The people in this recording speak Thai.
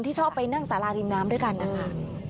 ชอบไปนั่งสาราริมน้ำด้วยกันนะคะ